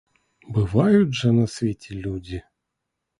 Бываюць жа на свеце людзі!